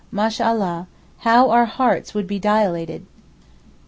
Mashallah! How our hearts would be dilated!